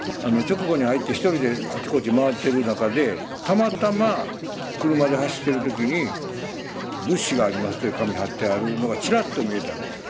あの直後に入って一人であちこち回ってる中でたまたま車で走ってる時に物資がありますという紙貼ってあるのがチラッと見えたの。